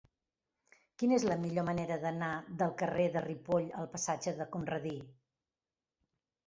Quina és la millor manera d'anar del carrer de Ripoll al passatge de Conradí?